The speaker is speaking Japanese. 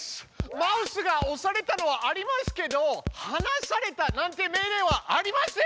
「マウスが押された」のはありますけど「はなされた」なんて命令はありません！